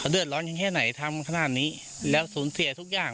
เดือดร้อนอย่างนี้ทำนี่และกูแล้วสูญเสียทุกอย่าง